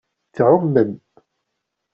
Tɛumem.